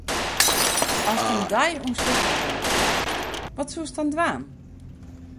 Ast in dei ûnsichtber wêze soest, wat soest dan dwaan?